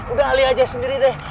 udah ahli aja sendiri deh